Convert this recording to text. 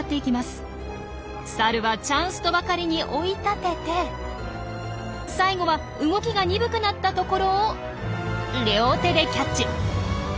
サルはチャンスとばかりに追い立てて最後は動きが鈍くなったところを両手でキャッチ。